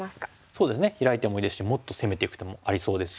そうですねヒラいてもいいですしもっと攻めていく手もありそうですし。